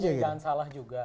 jangan salah juga